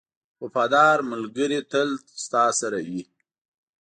• وفادار ملګری تل تا سره وي.